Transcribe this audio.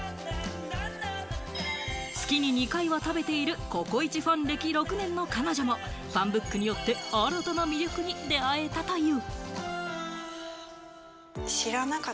月に２回は食べているココイチファン歴６年の彼女もファンブックによって新たな魅力に出会えたという。